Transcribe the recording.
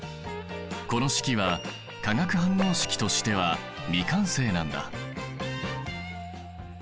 この式は化学反応式としては未完成なんだ。